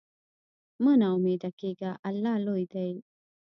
مه نا امیده کېږه، الله لوی دی.